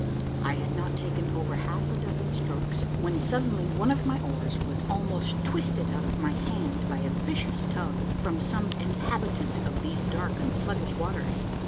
1 had not taken over half a dozen strokes, when suddenly one of my oars was almost twisted out of my hand by a vicious tug, from some inhabitant of these dark and sluggish waters.